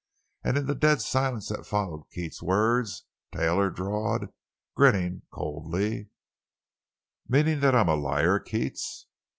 And in the dead silence that followed Keats's words, Taylor drawled, grinning coldly: "Meaning that I'm a liar, Keats?"